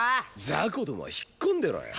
ザコどもは引っ込んでろよ！